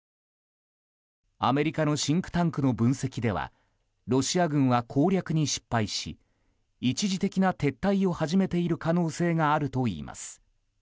アメリカのシンクタンクの分析ではロシア軍は攻略に失敗し一時的な撤退を始めている可能性があるといいます。